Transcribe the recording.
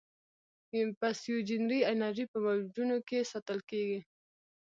پسیوجنري انرژي په موجونو کې ساتل کېږي.